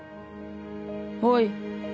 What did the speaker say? おい。